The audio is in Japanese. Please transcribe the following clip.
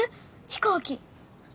飛行機。